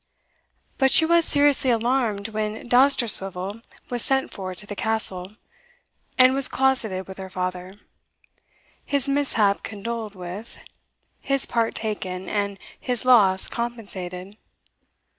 But she was seriously alarmed when Dousterswivel was sent for to the Castle, and was closeted with her father his mishap condoled with his part taken, and his loss compensated.